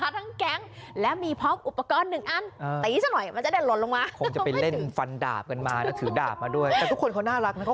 เจ้าของเจอแบบนี้แหละไม่ห่วงแล้วค่ะ